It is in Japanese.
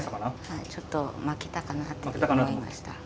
はいちょっと負けたかなと思いました。